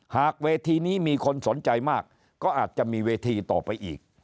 หากเวทีนี้มีคนสนใจมากก็อาจจะมีเวทีต่อไปอีก